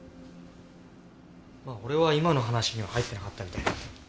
俺は今の話には入ってなかったみたい。